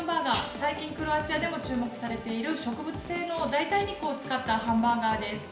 最近クロアチアでも注目されている植物性の代替肉を使ったハンバーガーです。